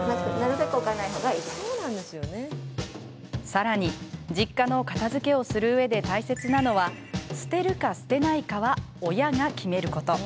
さらに実家の片づけをするうえで大切なのは捨てるか捨てないかは親が決めること。